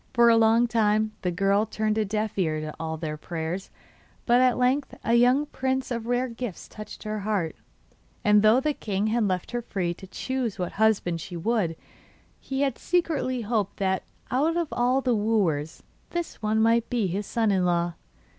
For a long time the girl turned a deaf ear to all their prayers; but at length a young prince of rare gifts touched her heart, and though the king had left her free to choose what husband she would, he had secretly hoped that out of all the wooers this one might be his son in law.